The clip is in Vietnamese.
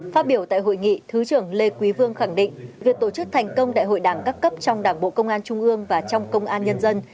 phát biểu tại hội nghị thứ trưởng lê quý vương khẳng định việc tổ chức thành công đại hội đảng các cấp trong đảng bộ công an trung ương và trong công an nhân dân